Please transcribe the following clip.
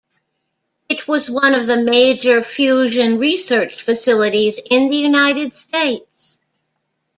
It was one of the major fusion research facilities in the United States.